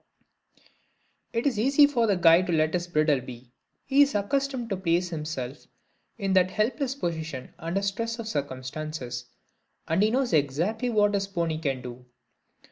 It is easy for the guide to let his bridle be he is accustomed to place himself in that helpless position under stress of circumstances, and he knows exactly what his pony can do.